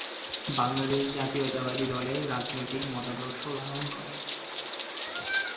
বাংলাদেশ জাতীয়তাবাদী দলের রাজনৈতিক মতাদর্শ লালন করে।